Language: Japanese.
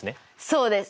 そうです。